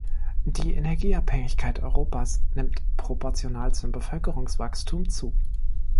Die Energieabhängigkeit Europas nimmt proportional zum Bevölkerungswachstum zu.